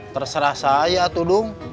terserah saya tuh dung